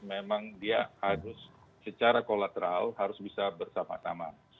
memang dia harus secara kolateral harus bisa bersama sama